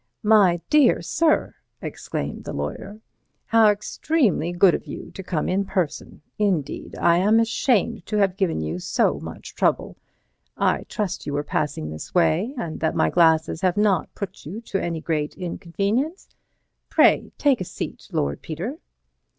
"My dear sir," exclaimed the lawyer, "how extremely good of you to come in person! Indeed, I am ashamed to have given you so much trouble. I trust you were passing this way, and that my glasses have not put you to any great inconvenience. Pray take a seat, Lord Peter."